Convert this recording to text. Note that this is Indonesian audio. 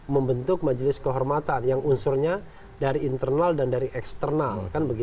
membentuk majelis kehormatan yang unsurnya dari internal dan dari eksternal